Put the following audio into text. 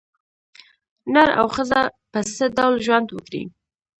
نر او ښځه په څه ډول ژوند وکړي.